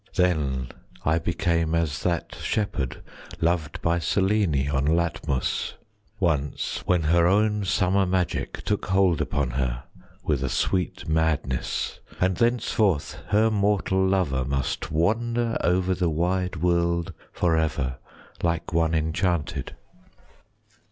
Then I became as that shepherd Loved by Selene on Latmus, Once when her own summer magic 15 Took hold upon her With a sweet madness, and thenceforth Her mortal lover must wander Over the wide world for ever, Like one enchanted.